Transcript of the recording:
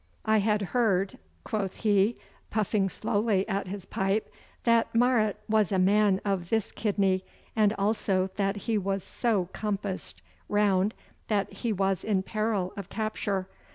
'I had heard,' quoth he, puffing slowly at his pipe, 'that Marot was a man of this kidney, and also that he was so compassed round that he was in peril of capture.